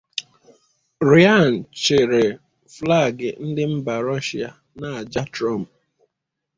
Ryan chịịrị flagụ ndị mba Rọshịa na-aja Trump